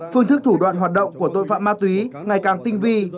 phương thức thủ đoạn hoạt động của tội phạm ma túy ngày càng tinh vi